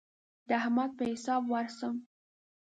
د احمد په حساب ورسم.